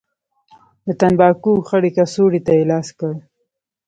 د تنباکو خړې کڅوړې ته يې لاس کړ.